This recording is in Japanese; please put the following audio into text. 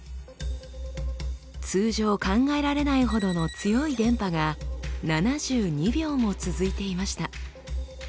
通常考えられないほどの強い電波が７２秒も続いていました。